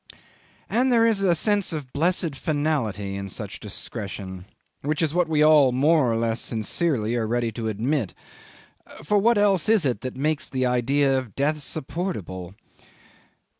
'And there is a sense of blessed finality in such discretion, which is what we all more or less sincerely are ready to admit for what else is it that makes the idea of death supportable?